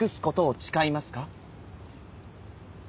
誓います。